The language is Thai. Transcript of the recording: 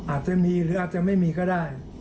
อาจจะมีหรืออาจจะไม่มีก็ได้